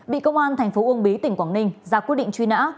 bị công an thành phố uông bí tỉnh quảng ninh ra quyết định truy nã